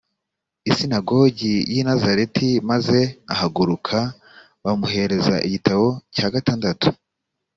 isinagogi y i nazareti maze agahaguruka bakamuhereza igitabo cya gatandatu